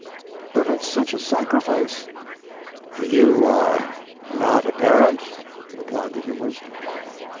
" But at such a sacrifice. " You are not a parent? replied the humorist.